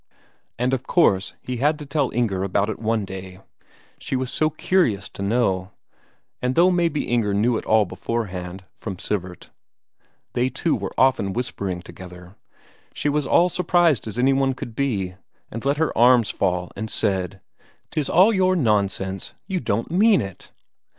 And, of course, he had to tell Inger about it one day; she was so curious to know, and though maybe Inger knew it all beforehand, from Sivert, they two were often whispering together, she was all surprised as any one could be, and let her arms fall, and said: "'Tis all your nonsense you don't mean it?"